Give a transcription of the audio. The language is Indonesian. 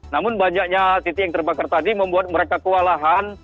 namun banyaknya titik yang terbakar tadi membuat mereka kewalahan